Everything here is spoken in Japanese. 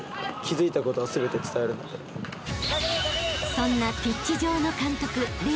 ［そんなピッチ上の監督玲君］